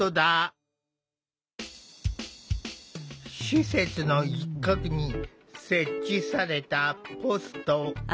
施設の一角に設置されたポスト。